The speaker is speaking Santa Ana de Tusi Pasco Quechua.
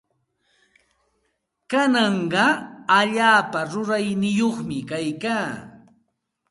Kanaqa allaapa rurayyuqmi kaykaa.